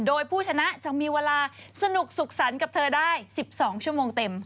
โดยผู้ชนะจะมีเวลาสนุกสุขสรรค์กับเธอได้๑๒ชั่วโมงเต็ม